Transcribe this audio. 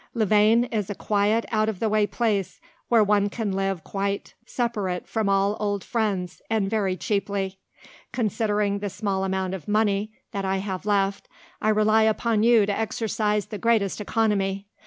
"Louvain is a quiet, out of the way place, where one can live quite separated from all old friends, and very cheaply. "Considering the small amount of money that I have left, I rely upon you to exercise the greatest economy.